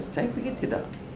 saya pikir tidak